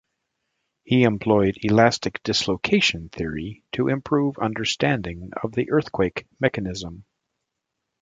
He employed elastic dislocation theory to improve understanding of the earthquake mechanism.